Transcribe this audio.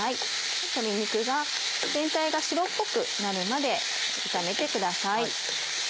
鶏肉が全体が白っぽくなるまで炒めてください。